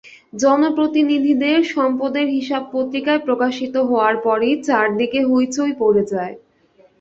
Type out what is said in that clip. জনপ্রতিনিধিদের সম্পদের হিসাব পত্রিকায় প্রকাশিত হওয়ার পরই চারদিকে হইচই পড়ে যায়।